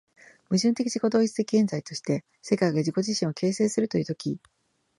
矛盾的自己同一的現在として、世界が自己自身を形成するという時、